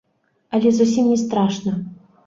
Але зусім не страшна.